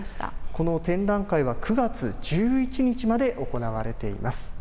この展覧会は、９月１１日まで行われています。